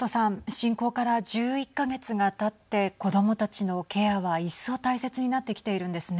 侵攻から１１か月がたって子どもたちのケアは一層大切になってきているんですね。